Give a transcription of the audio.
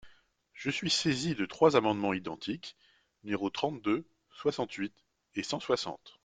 Je suis saisi de trois amendements identiques, numéros trente-deux, soixante-huit et cent soixante.